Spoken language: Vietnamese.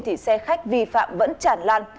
thì xe khách vi phạm vẫn chản lăn